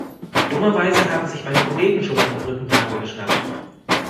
Dummerweise haben sich meine Kollegen schon alle Brückentage geschnappt.